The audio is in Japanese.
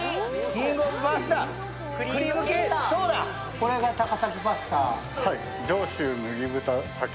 これが高崎パスタ？